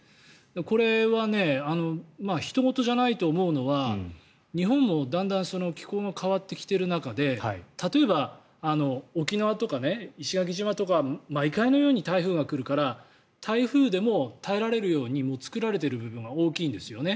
これはひと事じゃないと思うのは日本もだんだん気候が変わってきている中で例えば沖縄とか石垣島とか毎回のように台風が来るから台風でも耐えられるように作られてる部分が大きいんですね